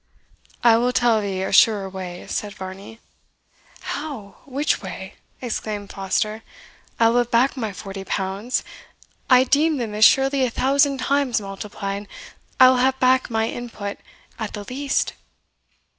"I will tell thee a surer way," said Varney. "How! which way?" exclaimed Foster; "I will have back my forty pounds I deemed them as surely a thousand times multiplied I will have back my in put, at the least."